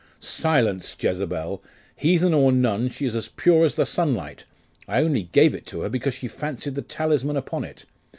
'Silence, Jezebel! Heathen or none, she is as pure as the sunlight! I only gave it her because she fancied the talisman upon it.